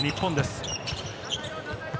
日本です。